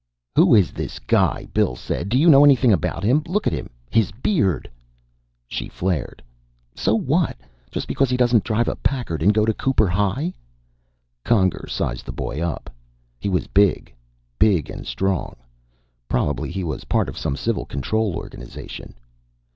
"Who is this guy?" Bill said. "Do you know anything about him? Look at him, his beard " She flared. "So what? Just because he doesn't drive a Packard and go to Cooper High!" Conger sized the boy up. He was big big and strong. Probably he was part of some civil control organization.